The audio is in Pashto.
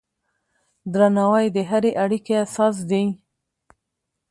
درناوی د هرې اړیکې اساس دی.